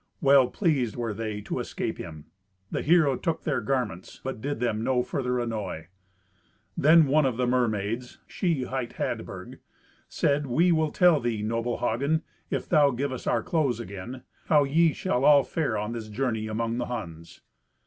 Well pleased were they to escape him. The hero took their garments, but did them no further annoy. Then one of the mermaids (she hight Hadburg) said, "We will tell thee, noble Hagen, if thou give us our clothes again, how ye shall all fare on this journey among the Huns."